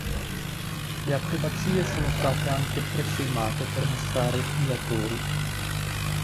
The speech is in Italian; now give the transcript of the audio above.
Le acrobazie sono state anche pre-filmate per mostrare gli attori.